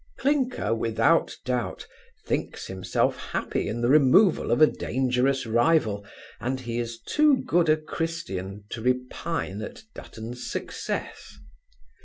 Clinker, without doubt, thinks himself happy in the removal of a dangerous rival, and he is too good a Christian, to repine at Dutton's success.